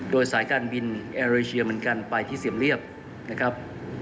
โดยสายการบินแอร์เรียเชียร์เหมือนกันไปที่เสียมเรียบ